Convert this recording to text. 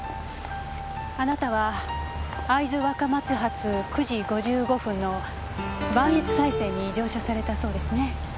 あなたは会津若松発９時５５分の磐越西線に乗車されたそうですね？